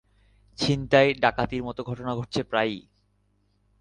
ছিনতাই, ডাকাতির মতো ঘটনা ঘটছে প্রায়ই।